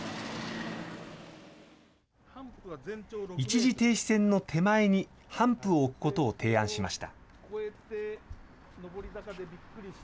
一時停止線の手前にハンプを置くことを提案しました。